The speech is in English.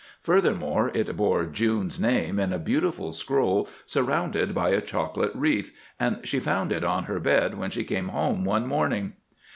Furthermore, it bore June's name in a beautiful scroll surrounded by a chocolate wreath, and she found it on her bed when she came home one morning.